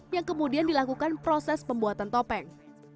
yang kemudian dilakukan proses pembuatan topeng